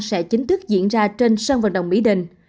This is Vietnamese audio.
sẽ chính thức diễn ra trên sân vận động mỹ đình